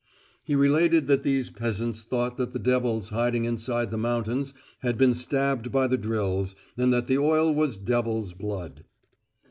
He related that these peasants thought that the devils hiding inside the mountains had been stabbed by the drills, and that the oil was devils' blood.